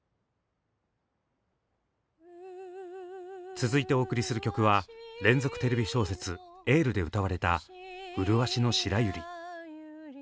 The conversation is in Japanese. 続いてお送りする曲は連続テレビ小説「エール」で歌われた「うるわしの白百合」。